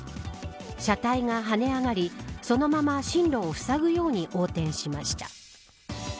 車体が跳ね上がりそのまま進路をふさぐように横転しました。